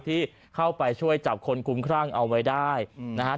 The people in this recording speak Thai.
ที่เข้าไปช่วยจับคนคุ้มครั่งเอาไว้ได้นะฮะ